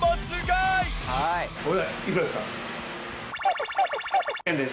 これいくらですか？